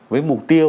với mục tiêu